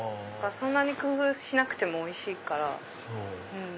そんなに工夫しなくてもおいしいから。